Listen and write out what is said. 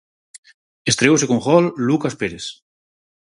Estreouse con gol Lucas Pérez.